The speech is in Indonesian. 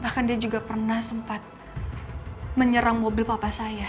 bahkan dia juga pernah sempat menyerang mobil papa saya